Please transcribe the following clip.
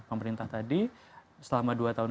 pemerintah tadi selama dua tahun